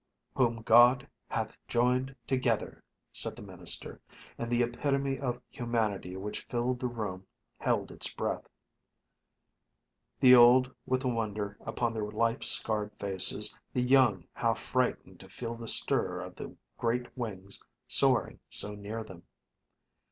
"Whom God hath joined together " said the minister, and the epitome of humanity which filled the room held its breath the old with a wonder upon their life scarred faces, the young half frightened to feel the stir of the great wings soaring so near them.